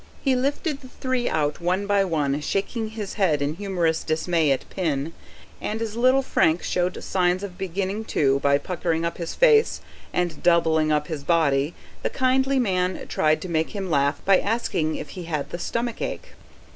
He lifted the three out one by one, shaking his head in humorous dismay at Pin, and as little Frank showed sighs of beginning, too, by puckering up his face and [P.22] doubling up his body, the kindly man tried to make them laugh by asking if he had the stomach ache.